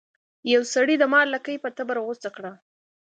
یو سړي د مار لکۍ په تبر غوڅه کړه.